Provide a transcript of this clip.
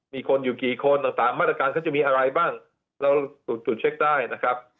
มีคนอยู่กี่คนแต่ตามมาตรการเขาจะมีอะไรบ้างเราตรวจเช็คได้นะครับ